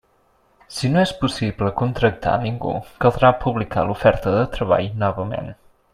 Si no és possible contractar a ningú, caldrà publicar l'oferta de treball novament.